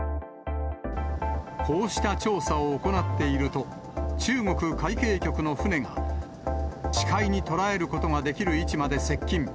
こうした調査を行っていると、中国海警局の船が、視界に捉えることができる位置まで接近。